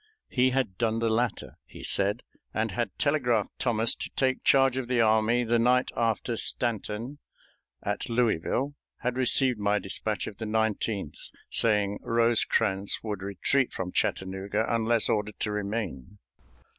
He had done the latter, he said, and had telegraphed Thomas to take charge of the army the night after Stanton, at Louisville, had received my dispatch of the 19th saying Rosecrans would retreat from Chattanooga unless ordered to remain.